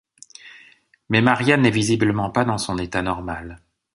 Mais Marianne n'est visiblement pas dans son état normal.